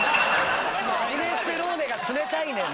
ミネストローネが冷たいねん！